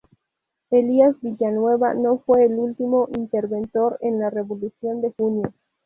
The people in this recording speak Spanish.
Elías Villanueva no fue el último interventor de la Revolución de Junio.